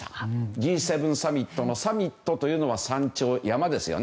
Ｇ７サミットのサミットというのは山頂、山ですよね。